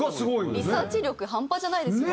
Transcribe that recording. リサーチ力半端じゃないですよね。